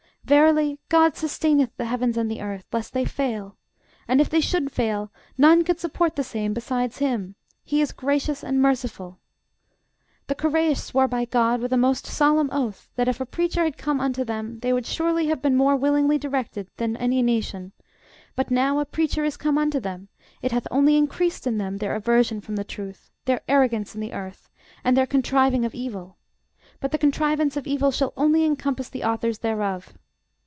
Verily GOD sustaineth the heavens and the earth, lest they fail: and if they should fail, none could support the same besides him; he is gracious and merciful. The Koreish swore by GOD, with a most solemn oath, that if a preacher had come unto them, they would surely have been more willingly directed than any nation: but now a preacher is come unto them, it hath only increased in them their aversion from the truth, their arrogance in the earth, and their contriving of evil; but the contrivance of evil shall only encompass the authors thereof.